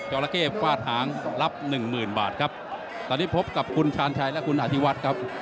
จอลาเก้ฝ้าทางรับ๑๐๐๐๐บาทครับตอนนี้พบกับคุณชาญชัยและคุณอธิวัตรครับ